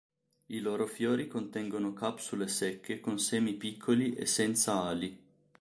I loro fiori contengono capsule secche con semi piccoli e senza ali.